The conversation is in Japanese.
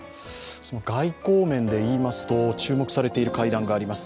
外交面でいいますと注目されている会談があります。